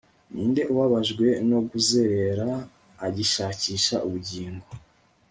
Ninde ubabajwe no kuzerera agishakisha ubugingo